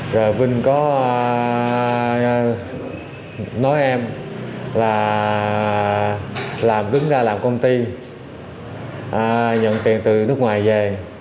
rồi vinh có nói em là làm đứng ra làm công ty nhận tiền từ nước ngoài về